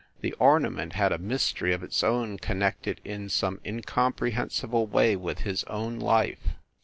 The ornament had a mystery of its own connected in some incomprehensible way with his own life.